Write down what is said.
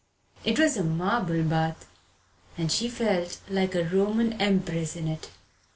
It was a marble bath, and she felt like a Roman empress in it.